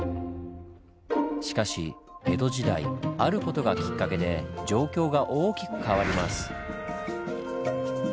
しかし江戸時代ある事がきっかけで状況が大きく変わります。